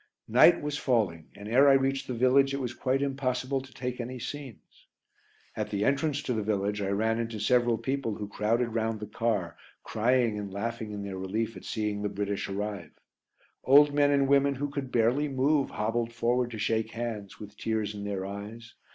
Night was falling, and ere I reached the village it was quite impossible to take any scenes. At the entrance to the village I ran into several people who crowded round the car, crying and laughing in their relief at seeing the British arrive. Old men and women who could barely move hobbled forward to shake hands, with tears in their eyes.